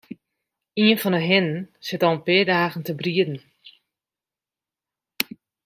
Ien fan 'e hinnen sit al in pear dagen te brieden.